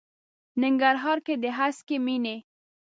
ننګرهار کې د هسکې مېنې.